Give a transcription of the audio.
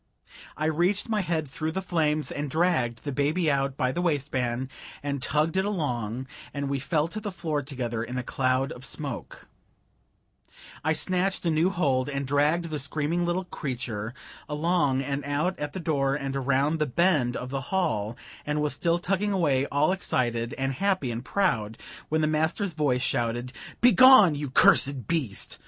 I reached my head through the flames and dragged the baby out by the waist band, and tugged it along, and we fell to the floor together in a cloud of smoke; I snatched a new hold, and dragged the screaming little creature along and out at the door and around the bend of the hall, and was still tugging away, all excited and happy and proud, when the master's voice shouted: "Begone you cursed beast!"